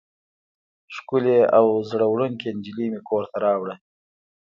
ښکلې او زړه وړونکې نجلۍ مې کور ته راوړه.